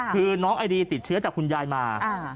คือน้องไอดีติดเชื้อจากคุณยายมา